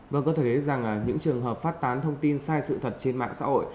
vâng có thể thấy rằng những trường hợp phát tán thông tin sai sự thật trên mạng xã hội